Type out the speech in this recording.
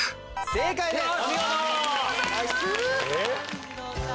正解です。